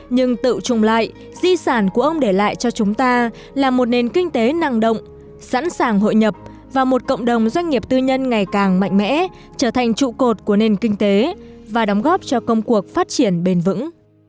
nhưng tự trùng lại di sản của ông để lại cho chúng ta là một nền kinh tế năng động sẵn sàng hội nhập và một cộng đồng doanh nghiệp tư nhân ngày càng mạnh mẽ trở thành trụ cột của nền kinh tế và đóng góp cho công cuộc phát triển bền vững